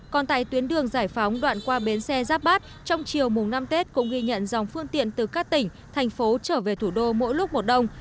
còn tại tuyến đường giải phóng đoạn qua bến xe giáp bát trong chiều mùng năm tết cũng ghi nhận dòng phương tiện từ các tỉnh thành phố trở về thủ đô mỗi lúc một đồng